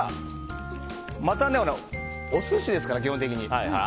お寿司ですからね、基本的に。